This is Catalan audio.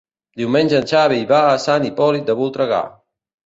Diumenge en Xavi va a Sant Hipòlit de Voltregà.